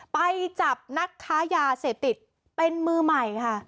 ไปจับนักค้ายาเสพติดเป็นมือใหม่ค่ะ